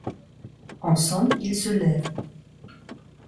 On sonne, il se lève.